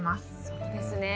そうですね。